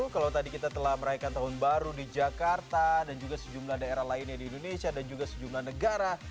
kalau tadi kita telah meraihkan tahun baru di jakarta dan juga sejumlah daerah lainnya di indonesia dan juga sejumlah negara